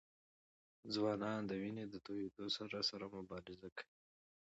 ځوانان د وینې د تویېدو سره سره مبارزه کوي.